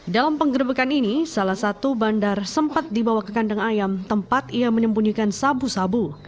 dalam penggerbekan ini salah satu bandar sempat dibawa ke kandang ayam tempat ia menyembunyikan sabu sabu